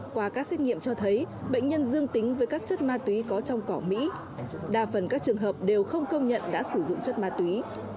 qua các xét nghiệm cho thấy bệnh nhân dương tính với các chất ma túy có trong cỏ mỹ đa phần các trường hợp đều không công nhận đã sử dụng chất ma túy